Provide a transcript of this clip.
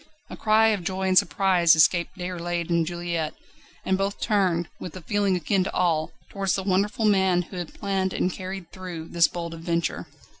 A cry of joy and surprise escaped Déroulède and Juliette, and both turned, with a feeling akin to awe, towards the wonderful man who had planned and carried through this bold adventure.